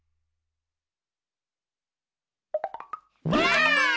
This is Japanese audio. ばあっ！